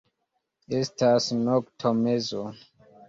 Estas noktomezo.